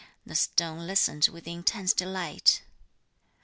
The stone listened with intense delight.